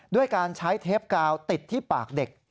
ด้วยการใช้เทปกาวติดที่ปากเด็ก